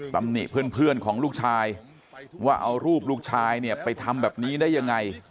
ตำหนิเพื่อนของลูกชายว่าเอารูปลูกชายเนี่ยไปทำแบบนี้ได้ยังไง